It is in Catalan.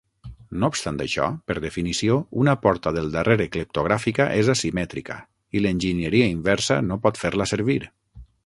No obstant això, per definició, una porta del darrere cleptogràfica és asimètrica i l'enginyeria inversa no pot fer-la servir.